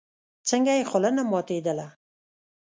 څنگه يې خوله نه ماتېدله.